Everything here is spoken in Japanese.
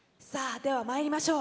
では、まいりましょう。